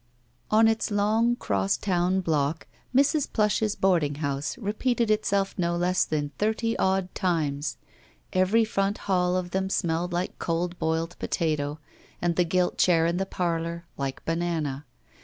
.•• On its long cross town block, Mrs. Plush's board ing house repeated itself no less than thirty odd times. Every front hall of them smelled like cold boiled potato, and the gilt chair in the parlor like banana.